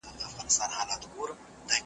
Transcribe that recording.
د سرتورو انګولا ده د بګړیو جنازې دي .